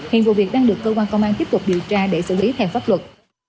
hiện vụ việc đang được công an tiếp tục điều tra để xử lý theo pháp luật